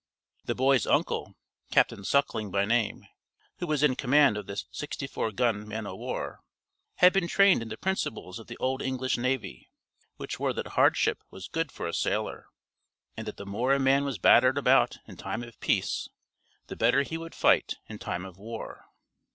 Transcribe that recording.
The boy's uncle, Captain Suckling by name, who was in command of this sixty four gun man o' war, had been trained in the principles of the old English navy, which were that hardship was good for a sailor, and that the more a man was battered about in time of peace the better he would fight in time of war.